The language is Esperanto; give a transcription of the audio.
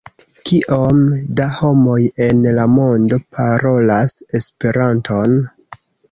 Kiom da homoj en la mondo parolas Esperanton?